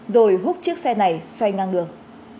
rồi hút chiếc xe này xoay ngang đường